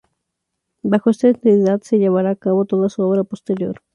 Bajo esta entidad llevará a cabo toda su obra posterior.